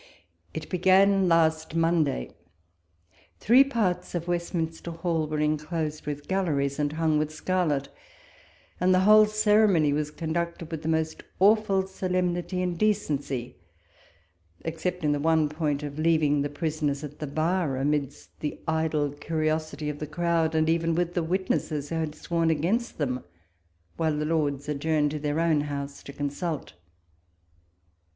It began last Monday ; three parts of Westminster Hall were inclosed with gal leries, and hung with scarlet ; and the whole ceremony was conducted with the most awful solemnity and decency, except in the one point of leaving the prisoners at the bar, amidst the idle curiosity of the crowd, and even with the witnesses who had sworn against them, while the Lords adjourned to their own House to consult.